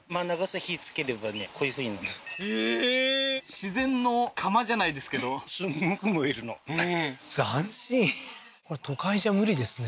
自然の釜じゃないですけど斬新これ都会じゃ無理ですね